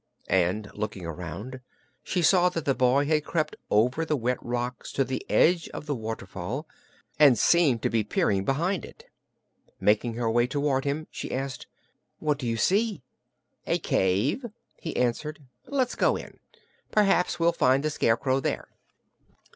and looking around she saw that the boy had crept over the wet rocks to the edge of the waterfall and seemed to be peering behind it. Making her way toward him, she asked: "What do you see?" "A cave," he answered. "Let's go in. P'r'aps we'll find the Scarecrow there."